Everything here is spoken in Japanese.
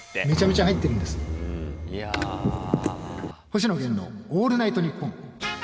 「星野源のオールナイトニッポン」。